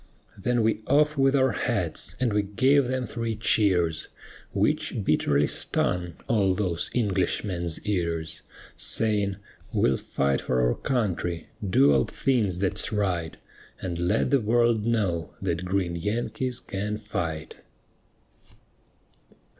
Then we off with our hats, and we gave them three cheers, Which bitterly stung all those Englishmen's ears; Saying, "We'll fight for our country, do all things that's right, And let the world know, that green Yankees can fight."